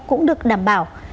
cũng được đảm bảo